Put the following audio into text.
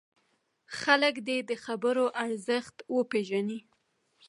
خلک دې د خبرو ارزښت وپېژني.